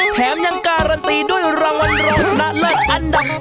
แถมยังการันตีด้วยรางวัลรองชนะเลิศอันดับ๗